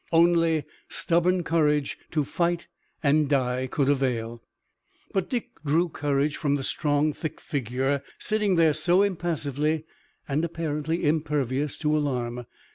Only stubborn courage to fight and die could avail. But Dick drew courage from the strong, thick figure sitting there so impassively and apparently impervious to alarm.